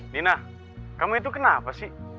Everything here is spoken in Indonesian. nina kamu itu kenapa sih